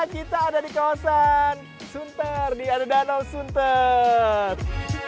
kita ada di kawasan sunter di ada danau sunter